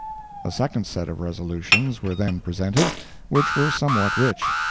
A second set of resolutions were then presented, which were somewhat rich.